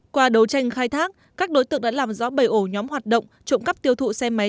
qua đấu tranh khai thác các đối tượng đã làm rõ bảy ổ nhóm hoạt động trộm cắp tiêu thụ xe máy